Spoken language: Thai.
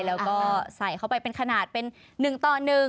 แล้วก็ใส่เข้าไปเป็นขนาดเป็น๑ต่อ๑